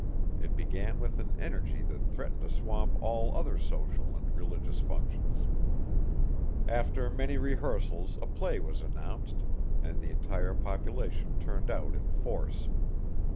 It began with an energy that threatened to swamp all other social and religious functions. After many rehearsals a play was announced, and the entire population turned out in force.